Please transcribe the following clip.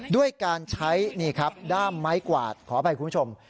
ด้วยการใช้ด้ามไม้กวาดขอให้คุณผู้ชม